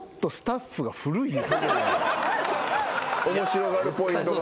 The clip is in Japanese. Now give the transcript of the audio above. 面白がるポイントが。